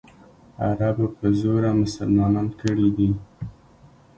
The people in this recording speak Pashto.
عربو په زوره مسلمانان کړي دي.